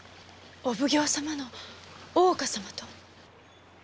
お奉行様の大岡様と？